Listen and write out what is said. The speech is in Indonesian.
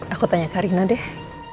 aku tanya karina deh